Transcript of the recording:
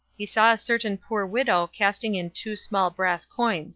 021:002 He saw a certain poor widow casting in two small brass coins.